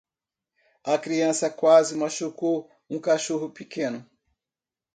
A criança quase machucou um cachorro pequeno.